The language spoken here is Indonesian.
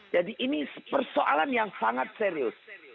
jadi ini persoalan yang sangat serius